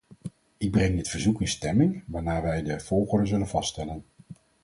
Ik breng dit verzoek in stemming, waarna wij de volgorde zullen vaststellen.